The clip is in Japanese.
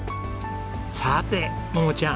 さて桃ちゃん。